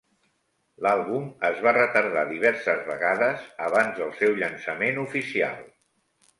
L'àlbum és va retardar diverses vegades abans del seu llançament oficial.